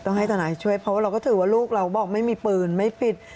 ให้ทนายช่วยเพราะว่าเราก็ถือว่าลูกเราบอกไม่มีปืนไม่ปิด